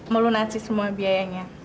melunasi semua biayanya